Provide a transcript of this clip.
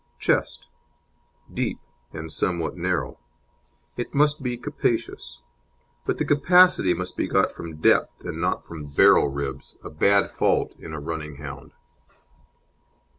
CHEST Deep and somewhat narrow. It must be capacious, but the capacity must be got from depth, and not from "barrel" ribs a bad fault in a running hound.